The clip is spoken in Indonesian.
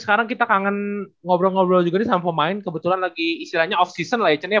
sekarang kita kangen ngobrol ngobrol juga nih sama pemain kebetulan lagi istilahnya off season lah icannya